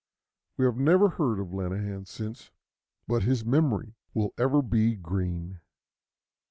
We have never heard of Lanahan since, but his memory will ever be green.